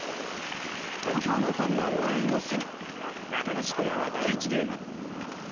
東京のファンの応援を背にワタガシペアは第１ゲーム。